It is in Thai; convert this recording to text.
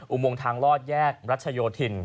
อุโมงทางลอดแยกรัชโยธิน